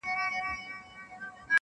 • له هر چا نه اول په خپل ځان باور ولره,